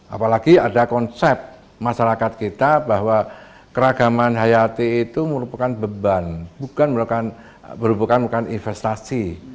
apalagi ada konsep masyarakat kita bahwa keragaman hayati itu merupakan beban bukan investasi